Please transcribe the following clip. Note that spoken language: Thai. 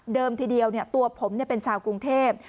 ทีเดียวตัวผมเป็นชาวกรุงเทพ